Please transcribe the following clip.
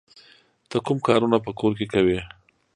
ته کوم کارونه په کور کې کوې؟